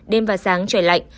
đêm và sáng trời lạnh